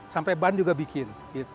sampai ban juga bikin